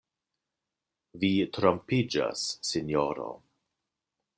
Vi trompiĝas, sinjoro.